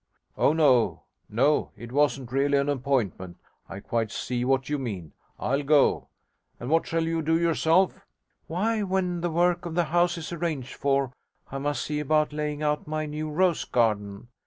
'Oh no, no, it wasn't really an appointment. I quite see what you mean. I'll go. And what shall you do yourself?' 'Why, when the work of the house is arranged for, I must see about laying out my new rose garden.